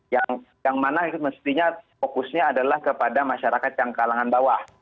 yang mana mestinya fokusnya adalah kepada masyarakat yang kalangan bawah